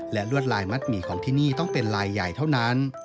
และลวดลายมัดหมี่ของที่นี่ต้องเป็นลายใหญ่เท่านั้น